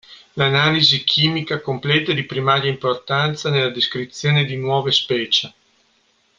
L'analisi chimica completa è di primaria importanza nella descrizione di nuove specie.